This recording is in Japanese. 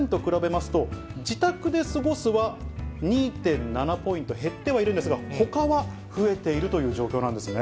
去年と比べますと、自宅で過ごすは２．７ポイント減って入るんですが、ほかは増えているという状況なんですね。